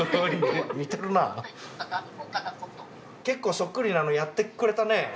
結構そっくりなのやってくれたね。